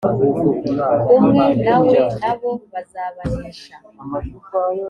kumwe na we na bo bazabanesha